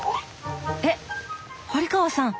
えっ堀川さん？